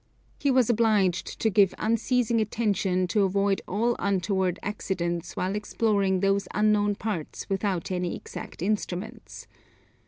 He was obliged to give unceasing attention to avoid all untoward accidents while exploring those unknown parts without any exact instruments.